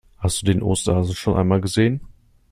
Hast du den Osterhasen schon einmal gesehen?